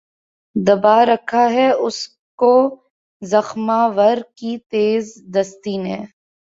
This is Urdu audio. دبا رکھا ہے اس کو زخمہ ور کی تیز دستی نے